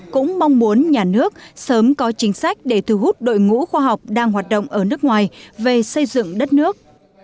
cũng mong muốn nhà nước sớm có chính sách để thu hút đội ngũ khoa học đang hoạt động ở nước ngoài về xây dựng đất nước